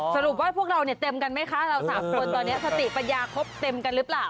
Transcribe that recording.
สรุปว่าพวกเราเนี่ยเต็มกันไหมคะเราสามคนตอนนี้สติปัญญาครบเต็มกันหรือเปล่า